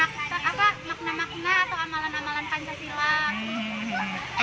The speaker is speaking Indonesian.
terus saya bisa mengerti makna makna atau amalan amalan pancasila